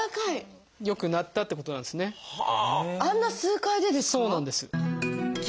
あんな数回でですか？